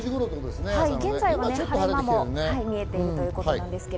現在は晴れ間も見えているということです。